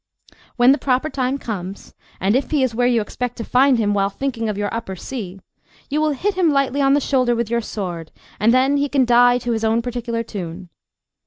When the proper time comes, and if he is where you expect to find him while thinking of your upper C, you will hit him lightly on the shoulder with your sword, and then he can die to his own particular tune.